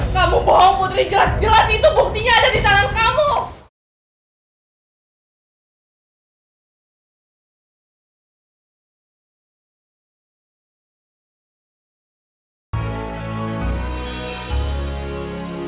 sampai jumpa di video selanjutnya